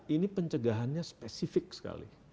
ini pencegahannya spesifik sekali